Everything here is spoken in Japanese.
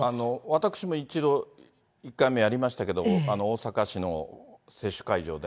私も１回目やりましたけど、大阪市の接種会場で。